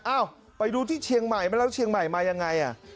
อ้าวไปดูที่เชียงใหม่มาแล้วเชียงใหม่มายังไง